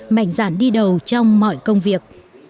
mạnh dạn đi đầu trong mọi công việc